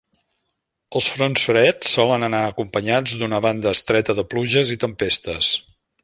Els fronts freds solen anar acompanyats d'una banda estreta de pluges i tempestes.